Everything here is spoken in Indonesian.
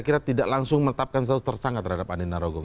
saya kira tidak langsung menetapkan status tersangka terhadap andina rogong